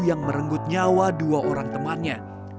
yang merenggut nyawa dua orang temannya